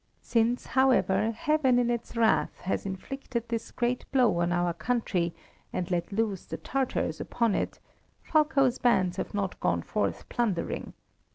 Since, however, Heaven in its wrath has inflicted this great blow on our country, and let loose the Tatars upon it, Fulko's bands have not gone forth plundering.